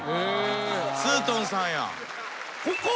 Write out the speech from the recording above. ツートンさんや。